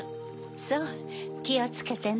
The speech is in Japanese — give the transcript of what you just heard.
そうきをつけてね。